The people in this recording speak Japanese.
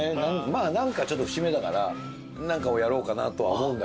まあ何かちょっと節目だから何かをやろうかなとは思うんだけど。